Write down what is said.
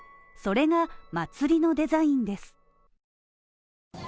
それが祭のデザインです。